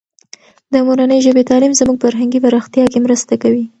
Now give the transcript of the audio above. د مورنۍ ژبې تعلیم زموږ فرهنګي پراختیا کې مرسته کوي.